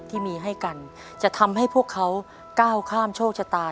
ที่มีให้กันจะทำให้พวกเขาก้าวข้ามโชคชะตา